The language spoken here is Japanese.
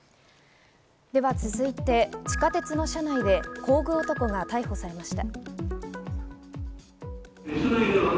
では続いて地下鉄の車内で工具男が逮捕されました。